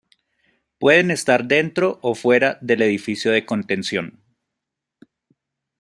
Pueden estar fuera o dentro del edificio de contención.